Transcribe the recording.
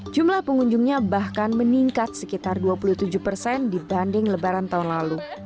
jumlah pengunjungnya bahkan meningkat sekitar dua puluh tujuh persen dibanding lebaran tahun lalu